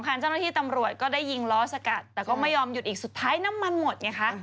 เจ้าหน้าที่ตำรวจก็ได้ยิงล้อสกัดแต่ก็ไม่ยอมหยุดอีกสุดท้ายน้ำมันหมดไงคะ